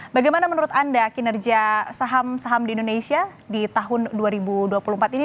bagaimana menurut anda kinerja saham saham di indonesia di tahun dua ribu dua puluh empat ini